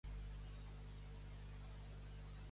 Són més xafarderes que ses bugaderes!